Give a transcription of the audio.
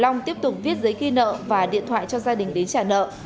long tiếp tục viết giấy ghi nợ và điện thoại cho gia đình đến trả nợ